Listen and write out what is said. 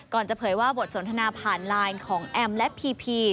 ก่อนเผยว่าบทสนทนาผ่านไลน์ของแอมพ์และพี